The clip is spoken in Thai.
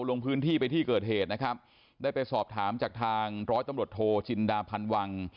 ลงพื้นที่ไปที่เกิดเหตุนะครับได้ไปสอบถามจากทางร้อยตำรวจโทจินดาพันวัง